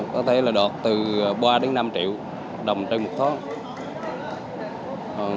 có thể là đọt từ ba đến năm triệu đồng trên một thoát